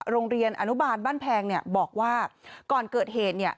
โรงเรียนอนุบาลบ้านแพงบอกว่าก่อนเกิดเหตุ